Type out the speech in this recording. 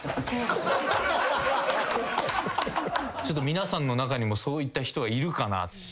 皆さんの中にもそういった人がいるかな。